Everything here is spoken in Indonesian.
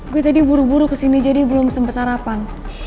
gue tadi buru buru kesini jadi belum sempat sarapan